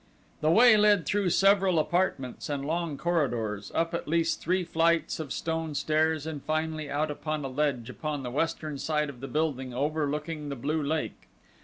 The way led through several apartments and long corridors, up at least three flights of stone stairs and finally out upon a ledge upon the western side of the building overlooking the blue lake.